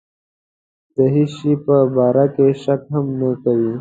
د هېڅ شي په باره کې شک هم نه کوي.